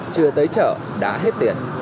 chưa tới chợ đã hết tiền